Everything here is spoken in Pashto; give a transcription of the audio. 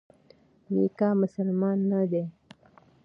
میکا مسلمان نه دی.